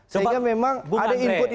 sehingga memang ada input input bagi kami